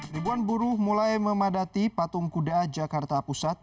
ribuan buruh mulai memadati patung kuda jakarta pusat